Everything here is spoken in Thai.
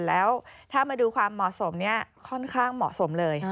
แล้วถ้ามาดูความเหมาะสมค่อนข้างเหมาะสมเลย